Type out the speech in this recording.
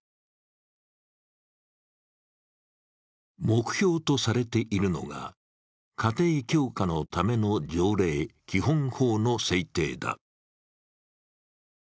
目標とされているのが、家庭強化のための条例・基本法の制定だ。